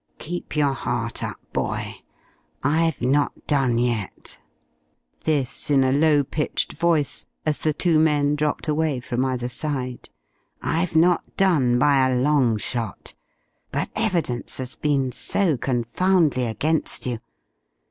Keep your heart up, boy; I've not done yet!" This in a low pitched voice, as the two men dropped away from either side. "I've not done by a long shot. But evidence has been so confoundly against you.